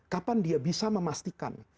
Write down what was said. kapan dia bisa memastikan